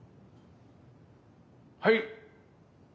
はい。